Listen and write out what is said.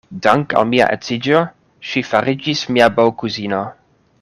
Dank' al mia edziĝo, ŝi fariĝis mia bokuzino.